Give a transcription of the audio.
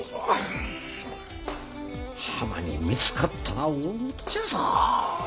はまに見つかったら大ごとじゃぞ。